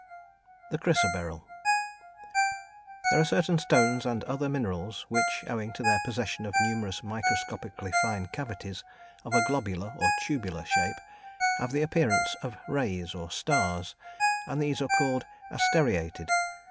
_ The Chrysoberyl. There are certain stones and other minerals which, owing to their possession of numerous microscopically fine cavities, of a globular or tubular shape, have the appearance of "rays" or "stars," and these are called "asteriated."